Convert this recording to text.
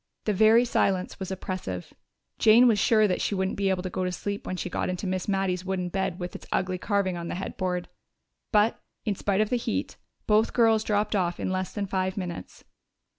The very silence was oppressive; Jane was sure that she wouldn't be able to go to sleep when she got into Miss Mattie's wooden bed with its ugly carving on the headboard. But, in spite of the heat, both girls dropped off in less than five minutes.